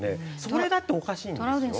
それだっておかしいんですよ。